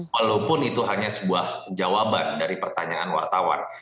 walaupun itu hanya sebuah jawaban dari pertanyaan wartawan